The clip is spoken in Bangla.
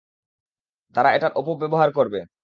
তারা এটার অপব্যবহার করবে।